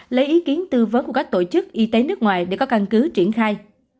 lấy ý kiến tư vấn của các tổ chức y tế nước ngoài để có căn cứ triển khai